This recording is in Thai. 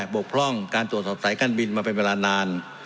กพร่องการตรวจสอบสายการบินมาเป็นเวลานาน